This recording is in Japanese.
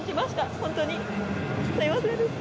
本当にすみませんでした。